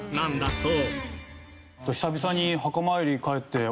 そう。